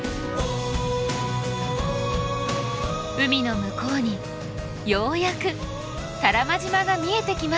海の向こうにようやく多良間島が見えてきました。